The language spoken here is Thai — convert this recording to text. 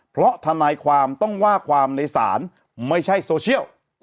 เพราะทนายความต้องว่าความในศาลไม่ใช่โซเชียล